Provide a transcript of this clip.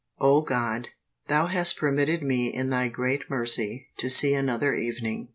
O God, Thou hast permitted me in Thy great mercy to see another evening.